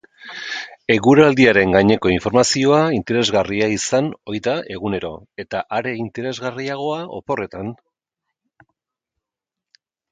Eguraldiaren gaineko informazioa interesgarria izan ohi da egunero, eta are interesgarriagoa oporretan.